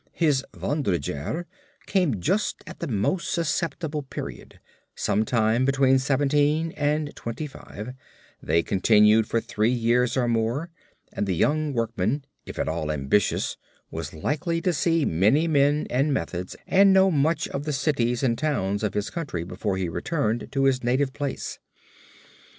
His wanderjahre came just at the most susceptible period, sometime between 17 and 25, they continued for three years or more, and the young workman if at all ambitious was likely to see many men and methods and know much of the cities and towns of his country before he returned to his native place.